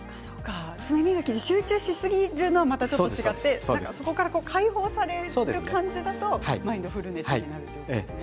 爪磨きに集中しすぎるのは違ってそこから解放される感じだとマインドフルネスになるんですね。